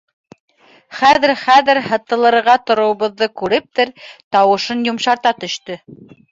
Хәҙер-хәҙер һытылырға тороуыбыҙҙы күрептер, тауышын йомшарта төштө.